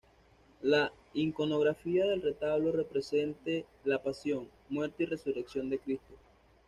La iconografía del retablo represente la pasión, muerte y resurrección de Cristo.